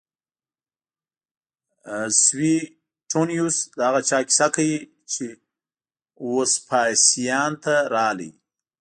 سویټونیوس د هغه چا کیسه کوي چې وسپاسیان ته راغی